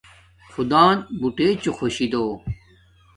خداں بوٹے چُو خوشی دو